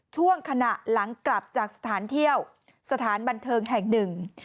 ช่วงขณะหลังกลับจากสถานเที่ยวสถานบันเทิงแห่งหนึ่ง